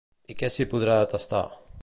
I què s'hi podrà tastar?